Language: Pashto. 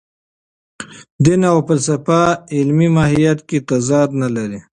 دین او فلسفه علمي ماهیت کې تضاد نه لري.